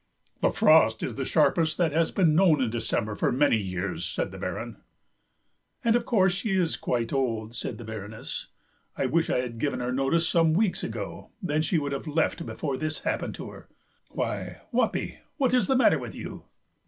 "The frost is the sharpest that has been known in December for many years," said the Baron. "And, of course, she is quite old," said the Baroness; "I wish I had given her notice some weeks ago, then she would have left before this happened to her. Why, Wappi, what is the matter with you?"